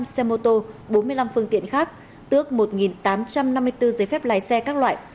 hai ba trăm chín mươi năm xe mô tô bốn mươi năm phương tiện khác tước một tám trăm năm mươi bốn giấy phép lái xe các loại